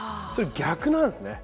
逆なんですね。